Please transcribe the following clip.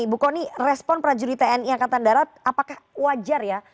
ibu kony respon prajurit tni angkatan darat apakah wajar ya